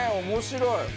面白い！